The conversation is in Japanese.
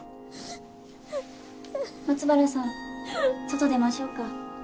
松原さん外出ましょうか。